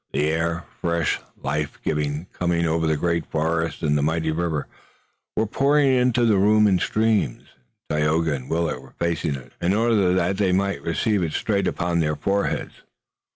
The air, fresh, life giving, coming over the great forests and the mighty river, was pouring into the room in streams, and Tayoga and Willet were facing it, in order that they might receive it straight upon their foreheads.